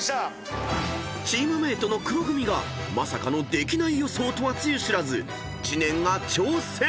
［チームメートの黒組がまさかのできない予想とはつゆ知らず知念が挑戦！］